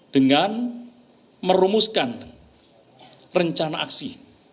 dengan merumuskan rencana aksi